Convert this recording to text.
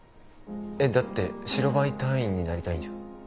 だって白バイ隊員になりたいんじゃ？